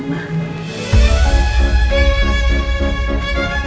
maksudnya sudah dikira